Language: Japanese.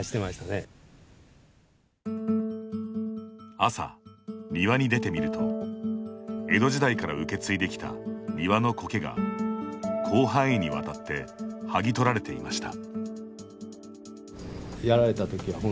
朝、庭に出てみると江戸時代から受け継いできた庭のこけが、広範囲にわたってはぎ取られていました。